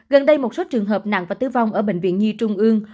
gần đây một số trường hợp nặng và tử vong ở bệnh viện nhi trung ương